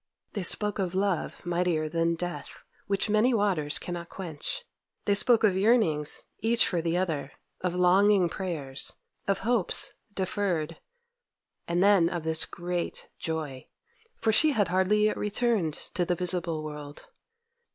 They spoke of love, mightier than death, which many waters cannot quench. They spoke of yearnings, each for the other—of longing prayers—of hopes deferred—and then of this great joy: for she had hardly yet returned to the visible world.